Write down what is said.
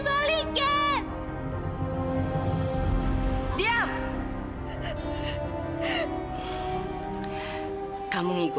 kamu bukan tante aku